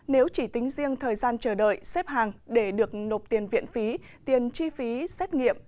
nếu chỉ tính riêng thời gian chờ đợi xếp hàng để được nộp tiền viện phí tiền chi phí xét nghiệm